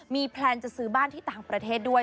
มีแพลนจะซื้อบ้านที่ต่างประเทศด้วย